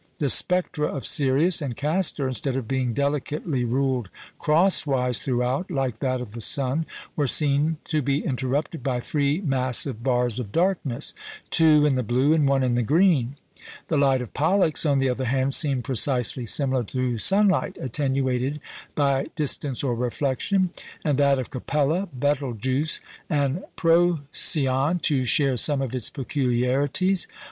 The spectra of Sirius and Castor, instead of being delicately ruled crosswise throughout, like that of the sun, were seen to be interrupted by three massive bars of darkness two in the blue and one in the green; the light of Pollux, on the other hand, seemed precisely similar to sunlight attenuated by distance or reflection, and that of Capella, Betelgeux, and Procyon to share some of its peculiarities.